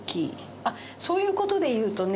あっそういう事でいうとね